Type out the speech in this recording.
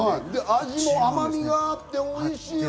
アジも甘みがあって、おいしいわ！